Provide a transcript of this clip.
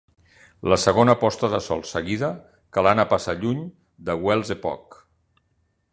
La segona posta de sol seguida que l'Anna passa lluny de Wells Epoch.